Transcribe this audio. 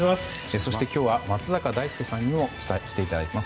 そして今日は松坂大輔さんにも来ていただいています。